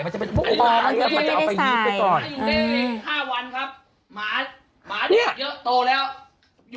มันจะเป็นพวกบอลมันจะเอาไว้ยิบก่อน